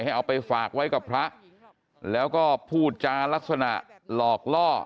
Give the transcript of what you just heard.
เอาไปฝากไว้กับพระแล้วก็พูดจารักษณะหลอกล่อ